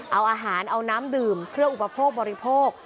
เอาอาหารเอาน้ำดื่มเครื่องอุปโภคบริโภค